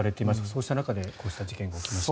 そうした中でこうした事件が起きました。